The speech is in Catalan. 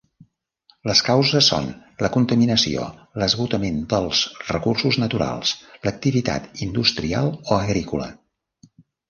Les causes són la contaminació, l'esgotament dels recursos naturals, l'activitat industrial o agrícola.